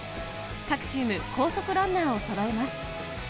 各チーム、高速ランナーをそろえます。